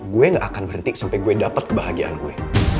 gue gak akan berhenti sampai gue dapat kebahagiaan gue